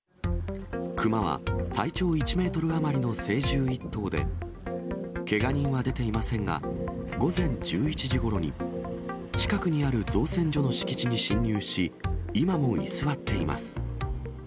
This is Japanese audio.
クマは、体長１メートル余りの成獣１頭で、けが人は出ていませんが、午前１１時ごろに、近くにある造船所の敷地に侵入し、今も居座っています。